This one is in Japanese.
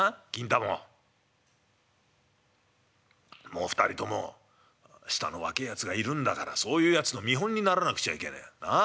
もう２人とも下の若えやつがいるんだからそういうやつの見本にならなくちゃいけねえ。なあ？